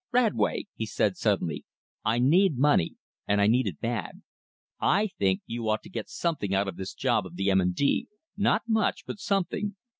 "Radway," said he suddenly, "I need money and I need it bad. I think you ought to get something out of this job of the M. & D. not much, but something.